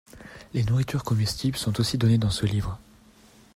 Les nourritures comestibles sont aussi données dans ce livre.